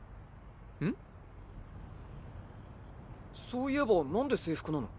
そういえば何で制服なの？